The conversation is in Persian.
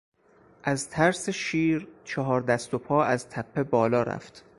از ترس شیر چهار دست و پا از تپه بالا رفت.